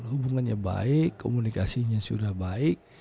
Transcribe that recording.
hubungannya baik komunikasinya sudah baik